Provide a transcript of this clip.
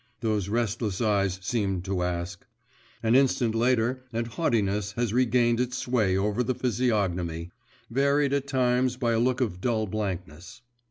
those restless eyes seem to ask.… An instant later and haughtiness has regained its sway over the physiognomy, varied at times by a look of dull blankness.